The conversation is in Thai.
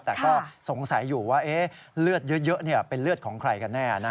แต่ก็สงสัยอยู่ว่าเลือดเยอะเป็นเลือดของใครกันแน่